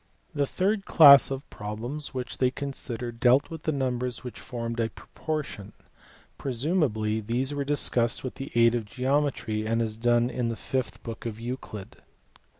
The third class of problems which they considered dealt with numbers which formed a proportion ; presumably these were discussed with the aid of geometry as is done in the fifth book of Euclid.